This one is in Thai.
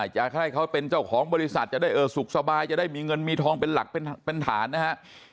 จะให้เขาเป็นเจ้าของบริษัทจะได้สุขสบายจะได้มีเงินมีทองเป็นหลักเป็นฐานนะฮะ